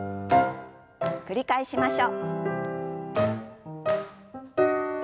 繰り返しましょう。